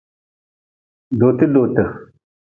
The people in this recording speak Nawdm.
Dotedote.